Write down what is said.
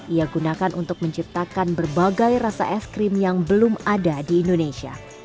ia gunakan untuk menciptakan berbagai rasa es krim yang belum ada di indonesia